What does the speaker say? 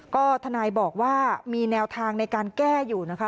ก็ทนายบอกว่ามีแนวทางในการแก้อยู่นะคะ